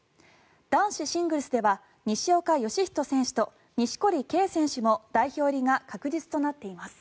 男子シングルスでは西岡良仁選手と錦織圭選手も代表入りが確実となっています。